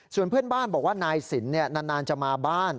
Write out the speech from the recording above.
ส่วนเพื่อนบ้านบอกว่านายสินนานจะมาบ้าน